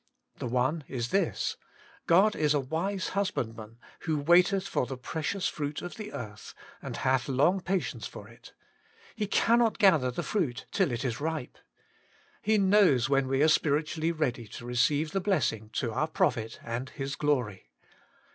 The one is this : God is a wise hus bandman, *who waiteth for the precious fruit of the earth, and hath long patience for it* Ha WAITING ON GOBI 99 cannot gather the fruit till it is ripe. He knows when we are spiritually ready to receive the blessing to our profit and His glory.